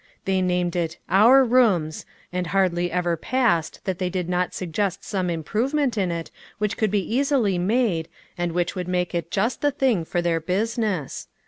They named it " Our Rooms," and hardly ever passed that they did not suggest some improvement in it which could be easily made, and which would make it just the thing for their business.